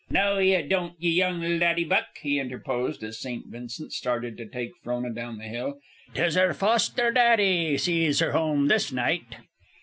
"No ye don't, ye young laddy buck," he interposed, as St. Vincent started to take Frona down the hill, "'Tis her foster daddy sees her home this night."